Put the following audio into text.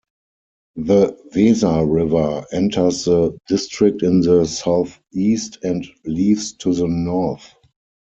The Weser River enters the district in the southeast and leaves to the north.